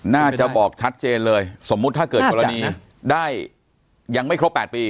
น่าจะบอกชัดเจนเลยสมมุติถ้าเกิดกรณีได้ยังไม่ครบ๘ปี